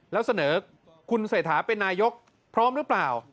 แล้วเสนอคุณเศรษฐาเป็นนายกพร้อมหรือเปล่า